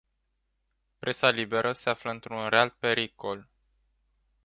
Presa liberă se află într-un real pericol.